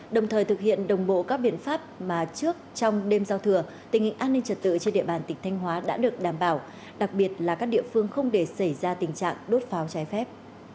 đồng thời thực hiện đồng bộ các biện pháp mà trước trong đêm giao thừa tình hình an ninh trật tự trên địa bàn tỉnh thanh hóa đã được đảm bảo đặc biệt là các địa phương không để xảy ra tình trạng đốt pháo trái phép